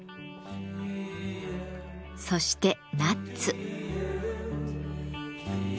そしてナッツ。